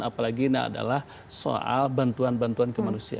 apalagi ini adalah soal bantuan bantuan kemanusiaan